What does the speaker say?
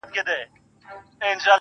نوره سپوږمۍ راپسي مه ږغـوه.